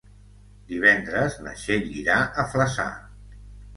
Divendres na Txell irà a Flaçà.